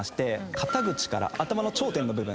肩口から頭の頂点の部分ですね。